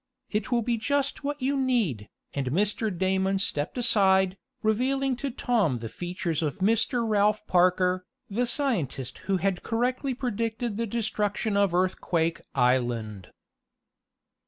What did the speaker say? It will be just what you need," and Mr. Damon stepped aside, revealing to Tom the features of Mr. Ralph Parker, the scientist who had correctly predicted the destruction of Earthquake Island.